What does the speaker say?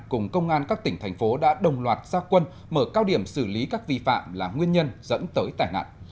cùng công an các tỉnh thành phố đã đồng loạt gia quân mở cao điểm xử lý các vi phạm là nguyên nhân dẫn tới tai nạn